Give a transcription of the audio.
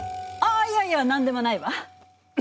あいやいや何でもないわ！